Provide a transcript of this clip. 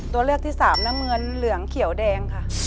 ตัวเลือกที่สามน้ำเงินเหลืองเขียวแดงค่ะ